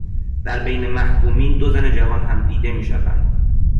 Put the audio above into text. در بین محکومین، دو زن جوان هم دیده میشوند